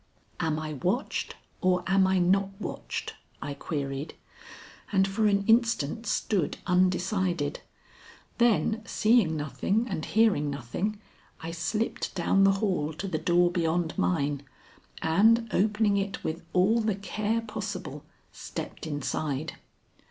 "Am I watched or am I not watched?" I queried, and for an instant stood undecided. Then, seeing nothing and hearing nothing, I slipped down the hall to the door beyond mine and, opening it with all the care possible, stepped inside.